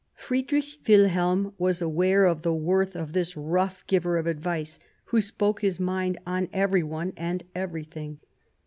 Friedrich Wilhelm was aware of the worth of this rough giver of advice, who spoke his mind on everyone and everything.